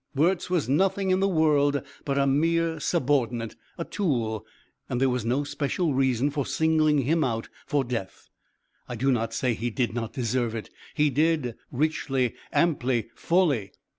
Wirz was nothing in the world but a mere subordinate, a tool, and there was no special reason for singling him out for death. I do not say he did not deserve it he did, richly, amply, fully.